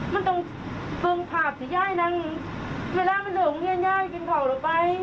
มันต้องปรึงผักถือไอ้นังเวลามีระ่วมมิ้งเย้าไปกินเถ่าหรอกไป